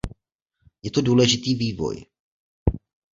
Je to důležitý vývoj.